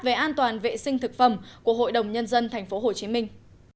về an toàn vệ sinh thực phẩm của hội đồng nhân dân thành phố hồ chí minh